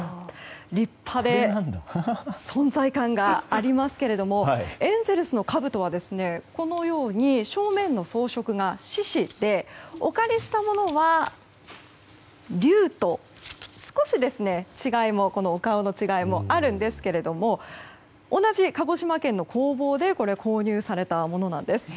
立派で存在感がありますけどもエンゼルスのかぶとはこのように正面の装飾が獅子でお借りしたものは龍と少し、お顔の違いもあるんですが同じ鹿児島県の工房で購入されたものなんです。